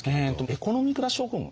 エコノミークラス症候群